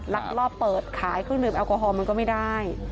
ลักลอบเปิดขายเครื่องดื่มแอลกอฮอลมันก็ไม่ได้